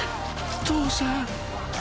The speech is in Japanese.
父さん。